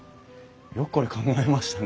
よくこれ考えましたね。